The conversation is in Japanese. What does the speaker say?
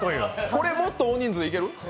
これ、もっと大人数でいける？